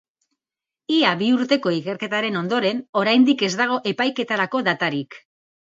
Ia bi urteko ikerketaren ondoren, oraindik ez dago epaiketarako datarik.